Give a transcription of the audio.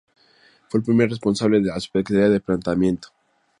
Fue el primer responsable de la Subsecretaría de Planeamiento.